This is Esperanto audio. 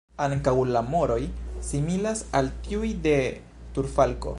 Ankaŭ la moroj similas al tiuj de turfalko.